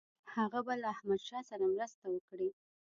هغه به له احمدشاه سره مرسته وکړي.